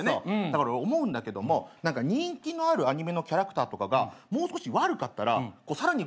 だから思うんだけども何か人気のあるアニメのキャラクターとかがもう少し悪かったらさらに人気が出るんじゃないかな。